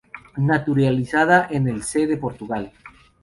Naturalizada en el C de Portugal.